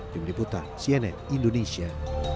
dari biputa cnn indonesia